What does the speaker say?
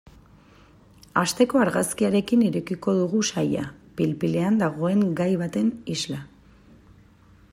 Asteko argazkiarekin irekiko dugu saila, pil-pilean dagoen gai baten isla.